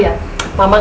sampai jumpa lagi